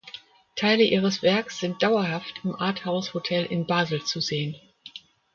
Teile ihres Werks sind dauerhaft im Arthouse Hotel in Basel zu sehen.